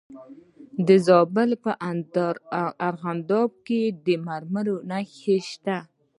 د زابل په ارغنداب کې د مرمرو نښې شته.